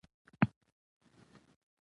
حقیقي خزانه په زړه کې پټه وي.